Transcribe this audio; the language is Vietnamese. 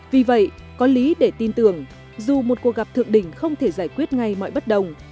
vì vậy có lý để tin tưởng dù một cuộc gặp thượng đỉnh không thể giải quyết ngay mọi bất đồng